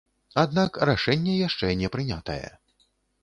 Аднак рашэнне яшчэ не прынятае.